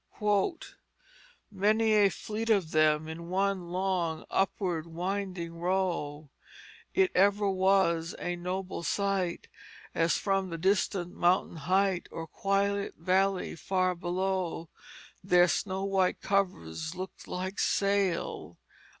" Many a fleet of them In one long upward winding row. It ever was a noble sight As from the distant mountain height Or quiet valley far below, Their snow white covers looked like sail."